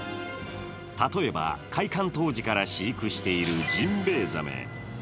例えば、開館当時から飼育しているジンベエザメ。